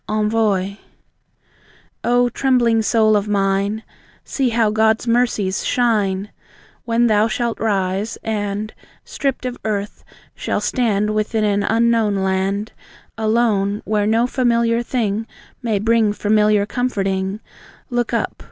ENVOY. O trembling soul of mine, See how God's mercies shine! When thou shalt rise, And, stripped of earth, shall stand Within an Unknown Land; Alone, where no familiar thing May bring familiar comforting; Look up!